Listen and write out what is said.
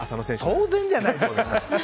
当然じゃないですか！